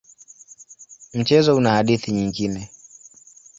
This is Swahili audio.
Mchezo una hadithi nyingine.